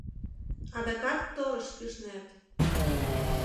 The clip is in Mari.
— Адакат торыш пижнет.